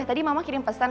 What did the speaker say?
tadi mama kirim pesan